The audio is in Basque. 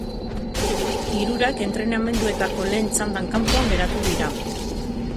Hirurak entrenamenduetako lehen txandan kanpoan geratu dira.